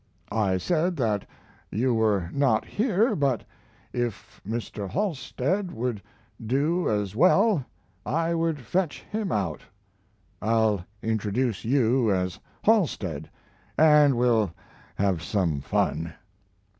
I said that you were not here, but if Mr. Halstead would do as well I would fetch him out. I'll introduce you as Halstead, and we'll have some fun."